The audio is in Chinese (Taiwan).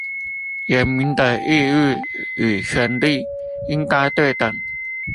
人民的義務與權利應該對等